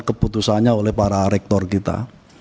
keputusannya oleh para rektor kita